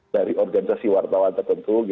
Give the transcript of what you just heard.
dari organisasi wartawan tertentu